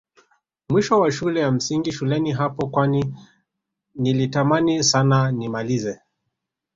Mwisho wa shule ya msingi shuleni hapo kwani nilitamani Sana nimalize